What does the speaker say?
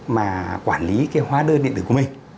mà quản lý cái hóa đơn điện tử của mình